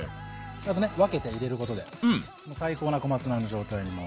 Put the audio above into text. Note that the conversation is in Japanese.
あとね分けて入れることで最高な小松菜の状態に。